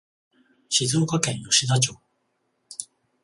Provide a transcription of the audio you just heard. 静岡県吉田町